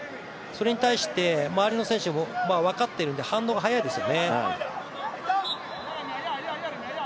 それに対して、周りの選手は分かってるので反応が速いですよね。